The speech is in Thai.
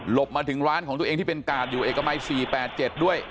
บมาถึงร้านของตัวเองที่เป็นกาดอยู่เอกมัย๔๘๗ด้วย